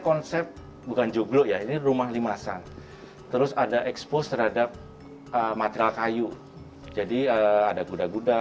konsep bukan joglo ya ini rumah limasan terus ada expose terhadap material kayu jadi ada kuda guda